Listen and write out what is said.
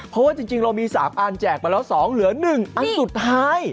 เพราะว่าจริงเรามี๓อันแจกมาแล้ว๒เหลือ๑อันสุดท้าย